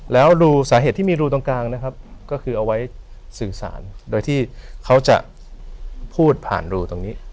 แล้วรูสาเหตุที่มีรูตรงกลางนะครับก็คือเอาไว้สื่อสารโดยที่เขาจะพูดผ่านรูตรงนี้